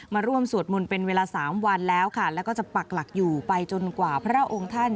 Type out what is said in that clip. มาร่วมสวดมนต์เป็นเวลาสามวันแล้วค่ะแล้วก็จะปักหลักอยู่ไปจนกว่าพระองค์ท่าน